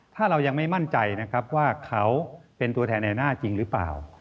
ถ้าเรายังไม่มั่นใจนะครับว่าเขาเป็นตัวแทนในหน้าจริงหรือเปล่า